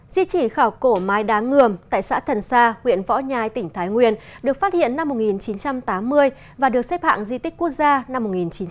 di chỉ khảo cổ mái đá ngườm tại xã thần sa huyện võ nhai tỉnh thái nguyên được phát hiện năm một nghìn chín trăm tám mươi và được xếp hạng di tích quốc gia năm một nghìn chín trăm chín mươi